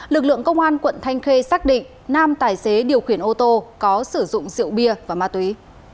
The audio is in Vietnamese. lực lượng công an quận thanh khê xác định nam tài xế điều khiển ô tô có sử dụng rượu bia và ma túy